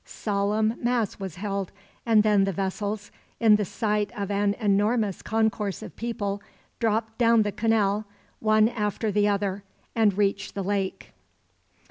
Solemn mass was held, and then the vessels, in the sight of an enormous concourse of people, dropped down the canal, one after the other, and reached the lake.